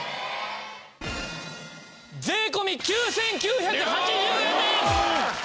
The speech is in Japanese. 税込９９８０円です！